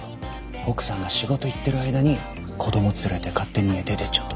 奥さんが仕事行ってる間に子どもを連れて勝手に家出ていっちゃったんだ。